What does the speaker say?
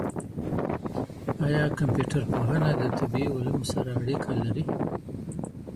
آیا کمپيوټر پوهنه د طبیعي علومو سره اړيکه لري؟